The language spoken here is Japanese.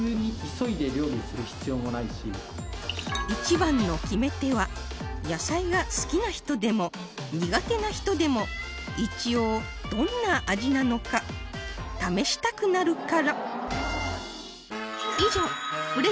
一番の決め手は野菜が好きな人でも苦手な人でも一応どんな味なのか試したくなるから